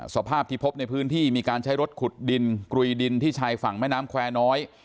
สภาพที่พบในพื้นที่มีการใช้รถขุดดินกลุยดินที่ชายฝั่งแม่น้ำแควร์น้อย